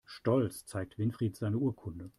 Stolz zeigt Winfried seine Urkunde.